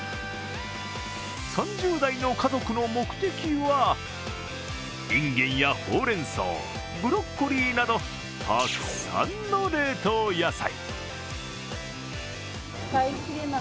３０代の家族の目的はいんげんやほうれんそう、ブロッコリーなどたくさんの冷凍野菜。